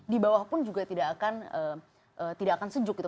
di bawah pun juga tidak akan sejuk gitu